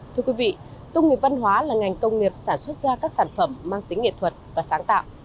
thưa quý vị công nghiệp văn hóa là ngành công nghiệp sản xuất ra các sản phẩm mang tính nghệ thuật và sáng tạo